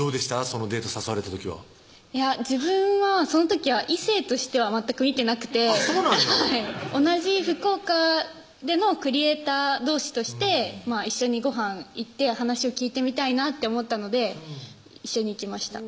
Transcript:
そのデート誘われた時は自分はその時は異性としては全く見てなくてそうなんや同じ福岡でのクリエーターどうしとして一緒にごはん行って話を聞いてみたいなと思ったので一緒に行きました